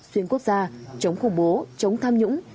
xuyên quốc gia chống khủng bố chống tham nhũng